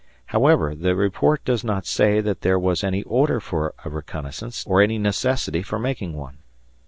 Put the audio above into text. However, the report does not say that there was any order for a reconnaissance, or any necessity for making one.